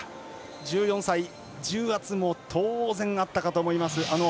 １４歳、重圧も当然あったかと思います。